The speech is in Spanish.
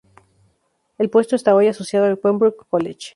El puesto está hoy asociado al Pembroke College.